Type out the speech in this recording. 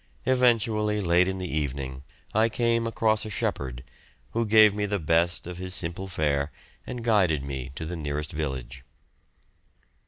Eventually, late in the evening I came across a shepherd, who gave me the best of his simple fare and guided me to the nearest village.